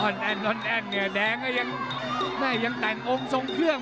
อ่อนแอ่นอ่อนแอ่นเหนือแดงยังแต่งอมทรงเครื่อง